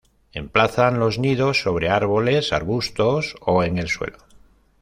Emplazan los nidos sobre árboles, arbustos, o en el suelo.